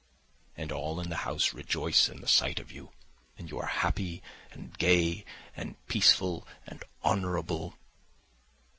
And all in the house rejoice in the sight of you, and you are happy and gay and peaceful and honourable....